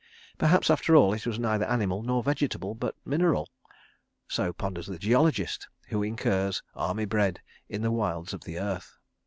Perhaps, after all, it was neither animal nor vegetable, but mineral? ... So ponders the geologist who incurs Army Bread in the wilds of the earth.